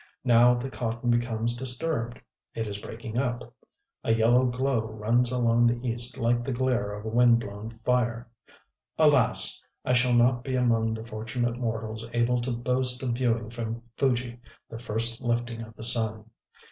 Now the cotton becomes disturbed; it is breaking up. A yellow glow runs along the east like the glare of a wind blown fire.... Alas! I shall not be among the fortunate mortals able to boast of viewing from Fuji the first lifting of the sun!